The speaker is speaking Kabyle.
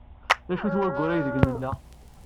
D acu-t wayyur aydeg nella?